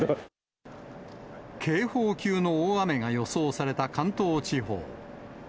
警報級の大雨が予想された関東地方。